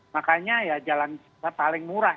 makanya ya jalan kita paling murah